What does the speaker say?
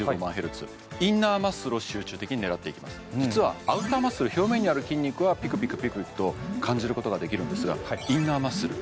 これに搭載した実はアウターマッスル表面にある筋肉はピクピクピクピクと感じることができるんですがインナーマッスル